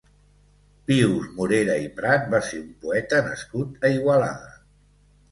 Pius Morera i Prat va ser un poeta nascut a Igualada.